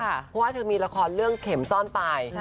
เพราะว่าเธอมีละครเรื่องเข็มซ่อนปลาย